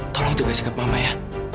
tolong juga sikap mama ya